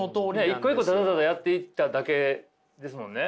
一個一個ただただやっていっただけですもんね。